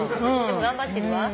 でも頑張ってるわ。